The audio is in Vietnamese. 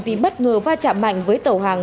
tìm bất ngờ va chạm mạnh với tàu hàng